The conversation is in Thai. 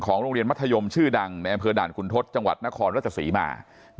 โรงเรียนมัธยมชื่อดังในอำเภอด่านคุณทศจังหวัดนครราชศรีมา